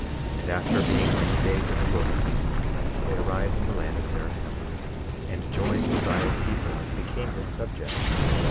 22:13 And after being many days in the wilderness they arrived in the land of Zarahemla, and joined Mosiah's people, and became his subjects.